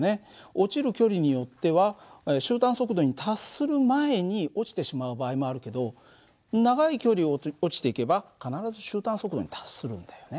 落ちる距離によっては終端速度に達する前に落ちてしまう場合もあるけど長い距離を落ちていけば必ず終端速度に達するんだよね。